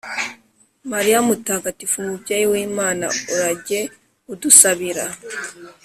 “mariya mutagatifu mubyeyi w’imana urajye udusabira